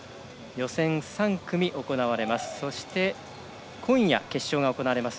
予選３組行われます。